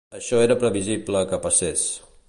Això era previsible que passés.